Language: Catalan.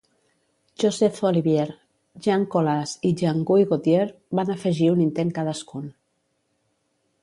Joseph Olivier, Jean Collas i Jean-Guy Gauthier van afegir un intent cadascun.